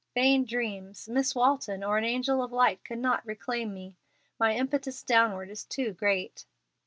Vain dreams! Miss Walton or an angel of light could not reclaim me. My impetus downward is too great.